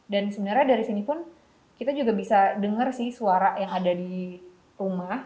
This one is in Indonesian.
dan sebenarnya dari sini pun kita juga bisa dengar sih suara yang ada di rumah